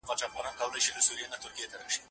اوس به څوك راويښوي زاړه نكلونه